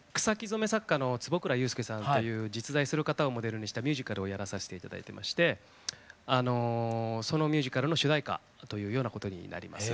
染作家の坪倉優介さんという実在する方をモデルにしたミュージカルをやらせて頂いてましてそのミュージカルの主題歌というようなことになります。